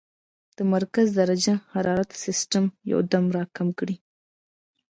د مرکزي درجه حرارت سسټم يو دم را کم کړي -